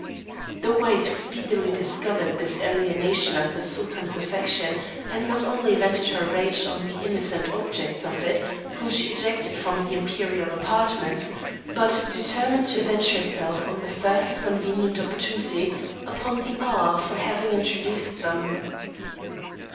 The wife speedily discovered this alienation of the Sultan's affection, and not only vented her rage on the innocent objects of it, whom she ejected from the imperial apartments, but determined to avenge herself, on the first convenient opportunity, upon the Aga for having introduced them.